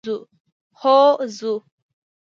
هو ځو.